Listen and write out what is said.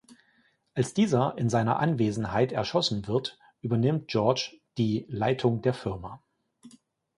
Als dieser in seiner Anwesenheit erschossen wird, übernimmt George die Leitung der Firma.